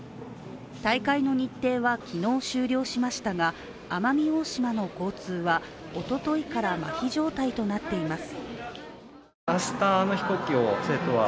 大会の日程は昨日終了しましたが奄美大島の交通はおとといからまひ状態となっています。